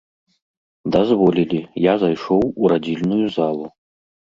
Дазволілі, я зайшоў у радзільную залу.